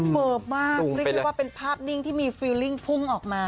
เฟิร์ฟมากเรียกได้ว่าเป็นภาพนิ่งที่มีฟิลลิ่งพุ่งออกมา